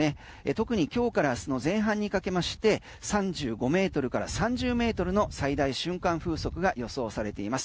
特に今日から前半にかけまして３５ｍから３０ｍの最大瞬間風速が予想されています。